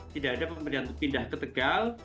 tidak ada pemberian pindah ke tegal